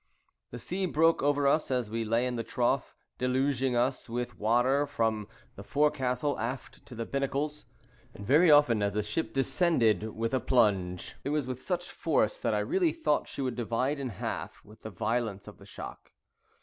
The sea broke over us as we lay in the trough, deluging us with water from the forecastle, aft, to the binnacles; and very often as the ship descended with a plunge, it was with such force that I really thought she would divide in half with the violence of the shock.